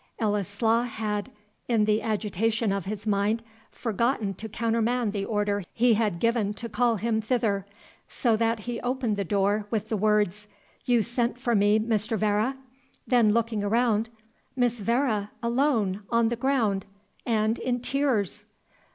Ellieslaw had, in the agitation of his mind, forgotten to countermand the order he had given to call him thither, so that he opened the door with the words, "You sent for me, Mr. Vere." Then looking around "Miss Vere, alone! on the ground! and in tears!"